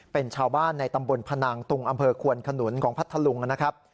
เป็นชาวบ้านในตำบลพนางตุงอำเภอควนขนุนของพัทธลุงนะครับ